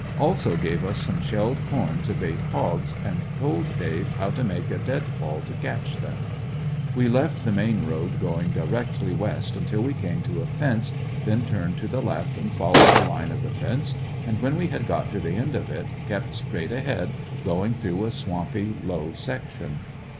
Also gave us some shelled corn to bait hogs and told Dave how to make a deadfall to catch them. We left the main road going directly West until we came to a fence, then turned to the left and followed the line of the fence, and when we had got to the end of it kept straight ahead going through a swampy low section.